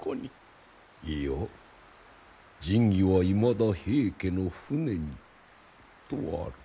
いや「神器はいまだ平家の船に」とある。